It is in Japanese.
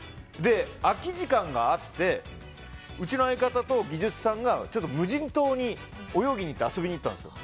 空き時間があってうちの相方と技術さんが無人島に泳ぎに行って遊びに行ったんですよ。